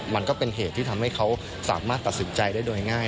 มันก็เป็นเหตุที่ทำให้เขาสามารถตัดสินใจได้โดยง่าย